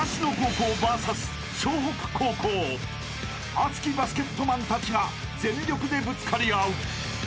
［熱きバスケットマンたちが全力でぶつかり合う］